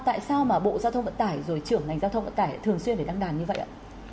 tại sao mà bộ giao thông vận tải rồi trưởng ngành giao thông vận tải thường xuyên phải đăng đàn như vậy ạ